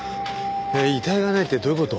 遺体がないってどういう事？